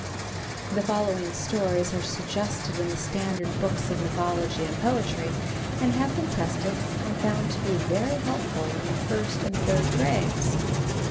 The following stories are suggested in the standard books of mythology and poetry, and have been tested and found to be very helpful in the first and third grades.